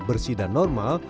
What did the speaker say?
bersih dan normal